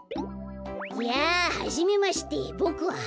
やあはじめましてボクははなかっぱ。